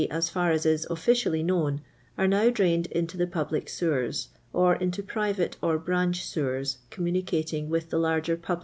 as far as is ollicially known, are now t!r.i:i::d into ilie public Sfwers, or into j>riv; ite or b:ari^:' »i.'wrr4 counnunicating with the larger p«jl